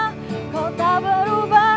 kenapa kau tak berubah